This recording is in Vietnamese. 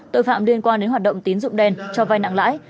tội phạm liên quan đến hoạt động tín dụng đen cho vai nặng lãi